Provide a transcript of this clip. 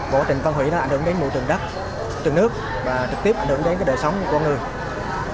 bộ tình phân hủy nó ảnh hưởng đến môi trường đất trường nước và trực tiếp ảnh hưởng đến cái đời sống của con người